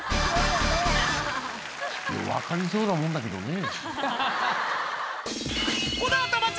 分かりそうなもんだけどね。